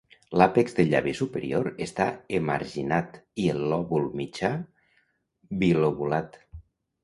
L'àpex del llavi superior està emarginat, i el lòbul mitjà bilobulat.